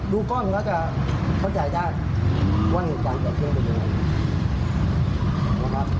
ดูก้อนแล้วก็เข้าใจได้ว่าเหตุการณ์จะได้อย่างนี้